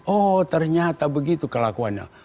oh ternyata begitu kelakuannya